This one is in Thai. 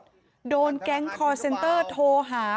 โดนแก๊งคอร์เซนเตอร์โทรหา